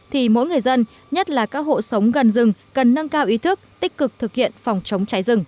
thì mỗi người dân nhất là các hộ sống gần rừng cần nâng cao ý thức tích cực thực hiện phòng chống cháy rừng